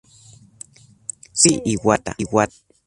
Sayuri Iwata